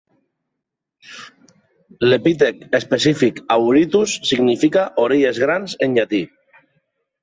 L'epítet específic "auritus" significa "orelles grans" en llatí.